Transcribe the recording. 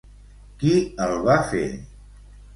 Qui el va fer?